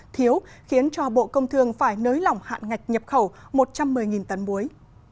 thiếu khiến cho bộ công thương phải nới lỏng hạn ngạch nhập khẩu một trăm một mươi tấn muối